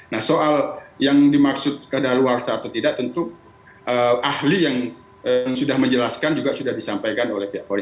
nah soal yang dimaksud keadaan luar sah atau tidak tentu ahli yang sudah menjelaskan juga sudah disampaikan oleh pihak polisi